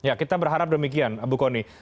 ya kita berharap demikian bu kony